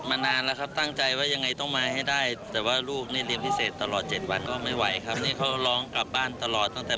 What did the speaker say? อันดับแรกคือถ้าได้เข้าไปถึงจุดตรงนั้น